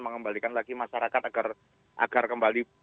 mengembalikan lagi masyarakat agar kembali